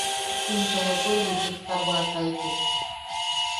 Into wepul wikitta bwaʼataitek.